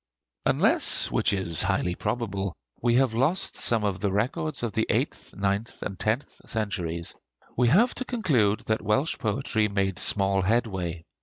Unless, which is highly probable, we have lost some of the records of the eighth, ninth, and tenth centuries, we have to conclude that Welsh poetry made small headway.